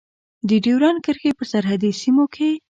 د ډیورند کرښې په سرحدي سیمو کې.